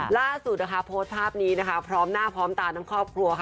ล่าสุดโพสต์ภาพนี้พร้อมหน้าพร้อมตาทั้งครอบครัว